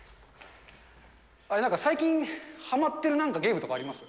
あれ、なんか最近ハマってるなんか、ゲームとかあります？